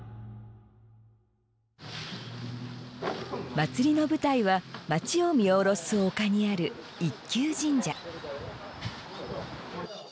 祭りの舞台は街を見下ろす丘にある一宮神社。